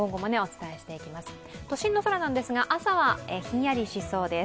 都心の空なんですが、朝はひんやりしそうです。